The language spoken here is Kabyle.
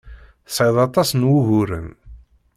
Tesɛiḍ aṭas n wuguren.